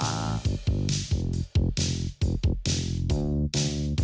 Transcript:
อู้ว